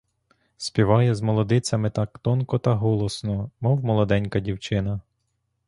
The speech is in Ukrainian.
Співає з молодицями так тонко та голосно, мов молоденька дівчина.